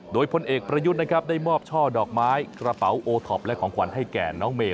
โดยพลเอกประยุทธ์นะครับได้มอบช่อดอกไม้กระเป๋าโอท็อปและของขวัญให้แก่น้องเมย